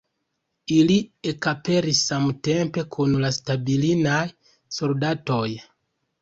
Ili ekaperis samtempe kun la stalinaj soldatoj.